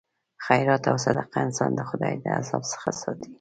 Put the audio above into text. خیرات او صدقه انسان د خدای د عذاب څخه ساتي.